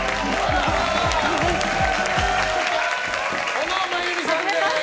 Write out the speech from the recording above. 小野真弓さんです！